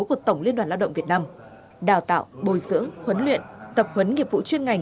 của tổng liên đoàn lao động việt nam đào tạo bồi dưỡng huấn luyện tập huấn nghiệp vụ chuyên ngành